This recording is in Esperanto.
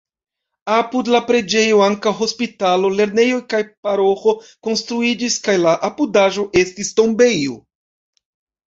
Apud la preĝejo ankaŭ hospitalo, lernejo kaj paroĥo konstruiĝis kaj la apudaĵo estis tombejo.